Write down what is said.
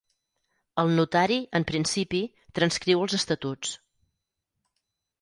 El notari, en principi, transcriu els estatuts.